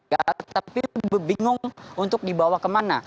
mereka juga bingung untuk dibawa kemana